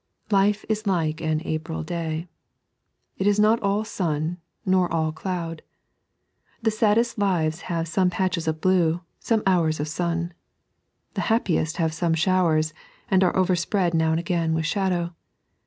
Life is like an April day. It is not all sun, nor all doud. The saddest lives bave some patches of blue, some hours of sua. The happiest have some showers, and are overspread now and again with shadow.